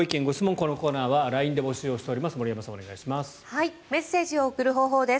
このコーナーはＬＩＮＥで募集しております。